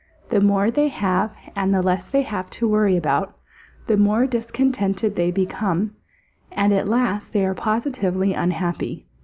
The more they have and the less they have to worry about, the more discontented they become, and at last they are positively unhappy.